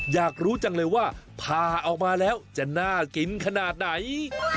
อยากรู้จังเลยว่าผ่าออกมาแล้วจะน่ากินขนาดไหน